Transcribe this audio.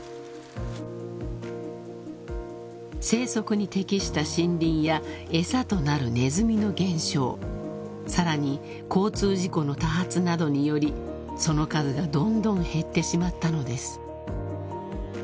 ［生息に適した森林や餌となるネズミの減少さらに交通事故の多発などによりその数がどんどん減ってしまったのです］